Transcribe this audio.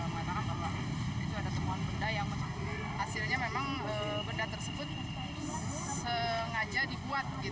mengatakan bahwa itu ada temuan benda yang hasilnya memang benda tersebut sengaja dibuat